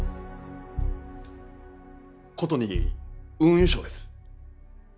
ことに運輸省です。